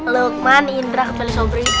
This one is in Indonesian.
lukman indra kebeli sobrimu